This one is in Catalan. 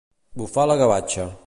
Bufar la gavatxa.